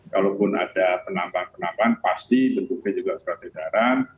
kalaupun ada penambahan penambahan pasti bentuknya juga secara tegaran